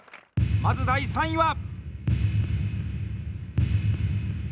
まず第３位は。